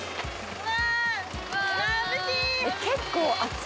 うわ。